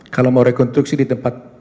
kalau mau rekonstruksi di tempat